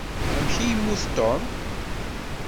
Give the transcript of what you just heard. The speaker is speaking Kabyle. Amek ay yemmut Tom?